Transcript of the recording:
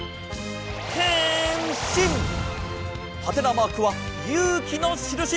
マークはゆうきのしるし。